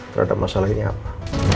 terhadap masalah ini apa